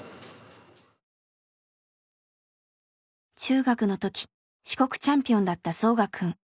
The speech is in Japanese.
中学の時四国チャンピオンだったソウガくん。